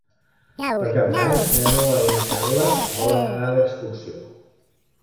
Per Cap d'Any na Noa i na Carla volen anar d'excursió.